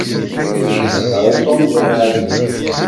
Ur ilaq ara Tom d amεellem.